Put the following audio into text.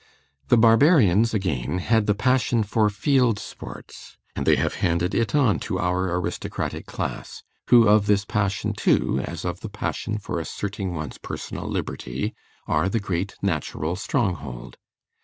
The Barbarians, again, had the passion for field sports; and they have handed it on to our aristocratic class, who of this passion, too, as of the passion for asserting one's personal liberty, are the great natural stronghold.